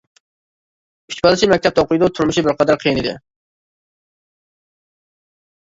ئۈچ بالىسى مەكتەپتە ئوقۇيدۇ، تۇرمۇشى بىرقەدەر قىيىن ئىدى.